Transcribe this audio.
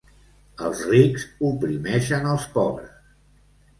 Els rics oprimeixen els pobres.